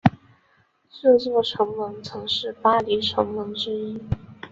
这座城门曾是巴黎城门之一。